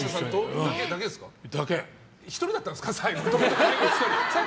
１人だけだったんですか。